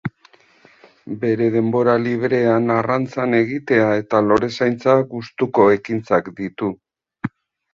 Bere denbora librean arrantzan egitea eta lorezaintza gustuko ekintzak ditu.